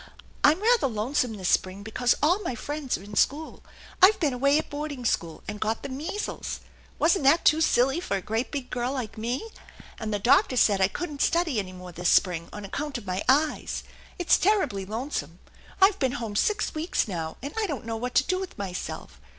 I'm rather lonesome this spring because all my friends are in school. I've been away at boarding school, and got the measles. Wasn't that too silly lor a great big girl like me ? And the doctor said I couldn't study any more this spring on account of my eyes. It's terribly lonesome. I've been home six weeks now, and I don't know THE ENCHANTED BARN 67 what to do with myself.